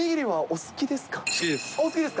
好きです。